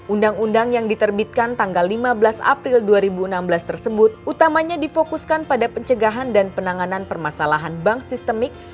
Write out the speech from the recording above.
undang undang yang diterbitkan tanggal lima belas april dua ribu enam belas tersebut utamanya difokuskan pada pencegahan dan penanganan permasalahan bank sistemik